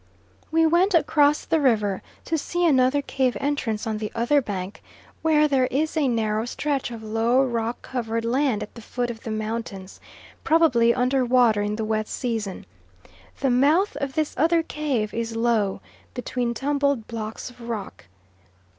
We went across the river to see another cave entrance on the other bank, where there is a narrow stretch of low rock covered land at the foot of the mountains, probably under water in the wet season. The mouth of this other cave is low, between tumbled blocks of rock.